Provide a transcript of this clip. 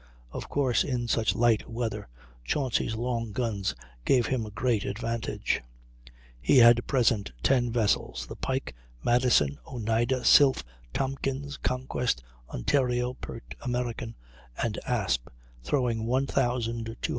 Of course in such light weather Chauncy's long guns gave him a great advantage. He had present 10 vessels; the Pike, Madison, Oneida, Sylph, Tompkins, Conquest, Ontario, Pert, American, and Asp, throwing 1,288 lbs.